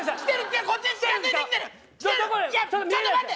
ちょっと待って！